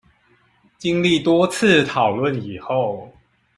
經歷多次討論後